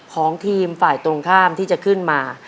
ของทีมฝ่ายตรงข้ามที่จะขึ้นมา